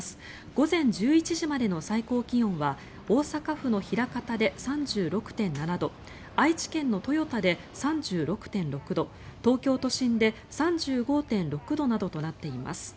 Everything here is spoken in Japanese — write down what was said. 午前１１時までの最高気温は大阪府の枚方で３６．７度愛知県の豊田で３６．６度東京都心で３５．６度などとなっています。